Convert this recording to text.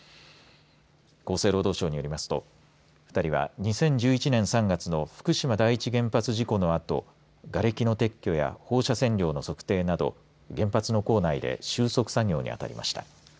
厚生労働省によりますと２人は、２０１１年３月の福島第一原発事故のあとがれきの撤去や放射線量の測定など原発の構内で収束作業にあたりました。